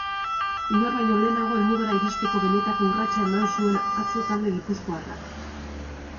Inor baino lehenago helmugara iristeko benetako urratsa eman zuen atzo talde gipuzkoarrak.